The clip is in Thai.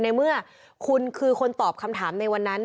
ในเมื่อคุณคือคนตอบคำถามในวันนั้น